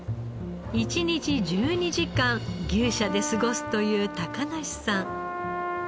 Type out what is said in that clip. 一日１２時間牛舎で過ごすという梨さん。